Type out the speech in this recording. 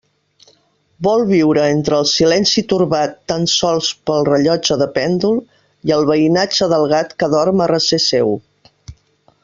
Vol viure entre el silenci torbat tan sols pel rellotge de pèndol i el veïnatge del gat que dorm a recer seu.